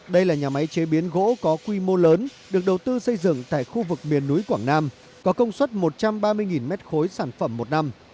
đây là nhà máy chế biến gỗ có quy mô lớn được đầu tư xây dựng tại khu vực miền núi quảng nam có công suất một trăm ba mươi m ba sản phẩm một năm